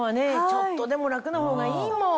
ちょっとでも楽な方がいいもん。